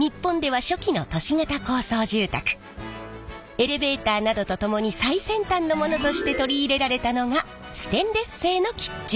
エレベーターなどと共に最先端のものとして取り入れられたのがステンレス製のキッチン。